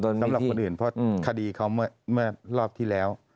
สำหรับคนอื่นเพราะคดีเขาเมื่อรอบที่แล้ว